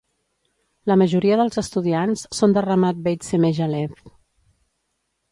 La majoria dels estudiants són de Ramat Beit Shemesh Alef.